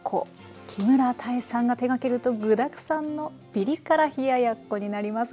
木村多江さんが手がけると具だくさんのピリ辛冷ややっこになります。